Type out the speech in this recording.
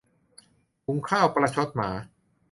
หุงข้าวประชดหมา